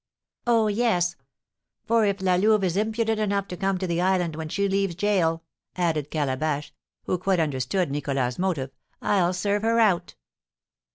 "Oh, yes; for if La Louve is impudent enough to come to the island when she leaves gaol," added Calabash, who quite understood Nicholas's motive, "I'll serve her out."